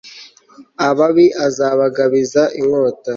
ababi azabagabiza inkota